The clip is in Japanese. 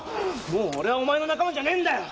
もう俺はお前の仲間じゃねぇんだよ！